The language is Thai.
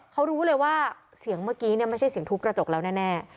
เขารู้เลยว่าเสียงเมื่อกี้เนี่ยไม่ใช่เสียงทุบกระจกแล้วแน่